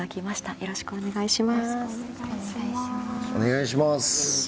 よろしくお願いします。